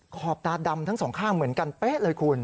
ขอบตาดำทั้งสองข้างเหมือนกันเป๊ะเลยคุณ